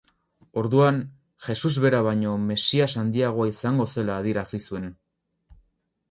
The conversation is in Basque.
Orduan, Jesus bera baino mesias handiagoa izango zela adierazi zuen.